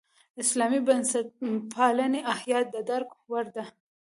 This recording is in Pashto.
اسلامي بنسټپالنې احیا د درک وړ ده.